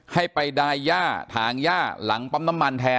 ให้ไปดายย่าถางย่าหลังปั๊มน้ำมันแทน